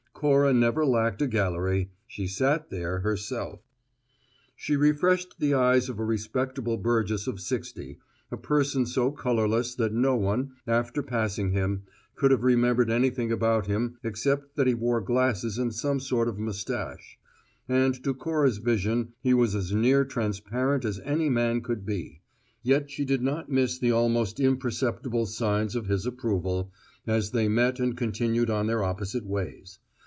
Cora never lacked a gallery: she sat there herself. She refreshed the eyes of a respectable burgess of sixty, a person so colourless that no one, after passing him, could have remembered anything about him except that he wore glasses and some sort of moustache; and to Cora's vision he was as near transparent as any man could be, yet she did not miss the almost imperceptible signs of his approval, as they met and continued on their opposite ways.